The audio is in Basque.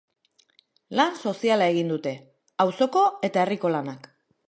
Lan soziala egiten dute, auzoko eta herriko lanak.